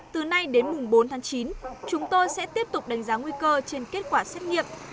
từ nay đến mùng bốn tháng chín chúng tôi sẽ tiếp tục đánh giá nguy cơ trên kết quả xét nghiệm